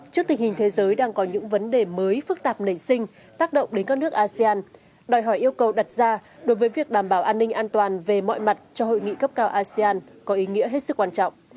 trước tình hình thế giới đang có những vấn đề mới phức tạp nảy sinh tác động đến các nước asean đòi hỏi yêu cầu đặt ra đối với việc đảm bảo an ninh an toàn về mọi mặt cho hội nghị cấp cao asean có ý nghĩa hết sức quan trọng